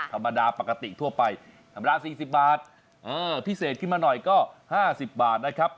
ธรรมดาปกติทั่วไปธรรมดา๔๐บาทพิเศษขึ้นมาหน่อยก็๕๐บาทนะครับ